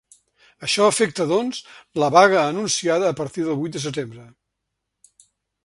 Això afecta, doncs, la vaga anunciada a partir del vuit de setembre.